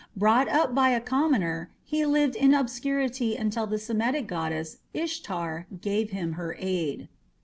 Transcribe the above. Brought up by a commoner, he lived in obscurity until the Semitic goddess, Ishtar, gave him her aid.